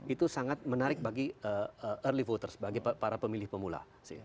itu sangat menarik bagi early voters bagi para pemilih pemula